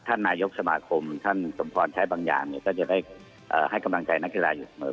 ท่านนายกสมาคมท่านสมพรใช้บางอย่างก็จะได้ให้กำลังใจนักกีฬาอยู่เสมอ